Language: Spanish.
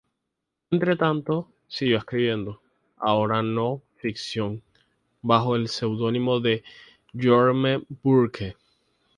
Entretanto, siguió escribiendo, ahora no-ficción, bajo el pseudónimo de 'Jerome Burke'.